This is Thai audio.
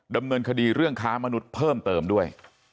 ดำเนินคดีเรื่องค้ามนุษย์เพิ่มเติมด้วย